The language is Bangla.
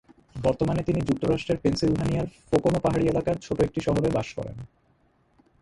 বর্তমানে তিনি যুক্তরাষ্ট্রের পেনসিলভানিয়ার ফোকোনো পাহাড়ি এলাকার ছোট একটি শহরে বাস করেন।